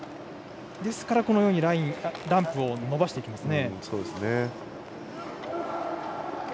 ですからランプを伸ばしていきますね。